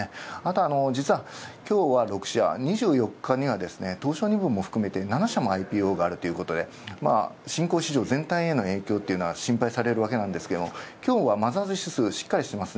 実は、今日は６社、２４日には東証二部も含めて７社もＩＯＰがあるということで新興市場全体の影響が心配されますけど、今日はマザーズ指数しっかりしている。